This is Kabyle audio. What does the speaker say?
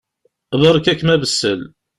Beṛka-kem abessel.